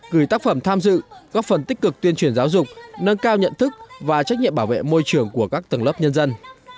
gửi tác phẩm tham dự góp phần tích cực tuyên truyền giáo dục nâng cao nhận thức và trách nhiệm bảo vệ môi trường của các tầng lớp nhân dân